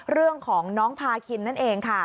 เรื่องของน้องพาคินนั่นเองค่ะ